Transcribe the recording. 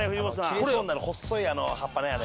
切れそうになる細い葉っぱねあれ。